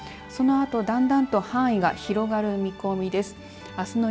そのあと、だんだんと範囲が広がる見込みです。